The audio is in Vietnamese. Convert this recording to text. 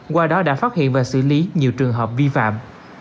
qua đó đã phát hiện và xử lý nhiều trường hợp vi phạm